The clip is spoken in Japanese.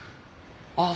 ああ。